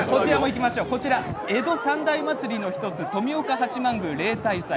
江戸三大祭りの１つ富岡八幡宮例大祭